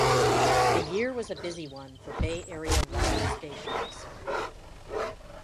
The year was a busy one for Bay Area rock stations.